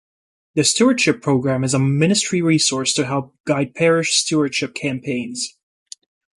The Stewardship Program is a ministry resource to help guide parish stewardship campaigns.